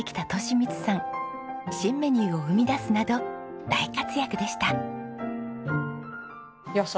新メニューを生み出すなど大活躍でした。